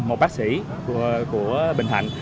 một bác sĩ của bình thạnh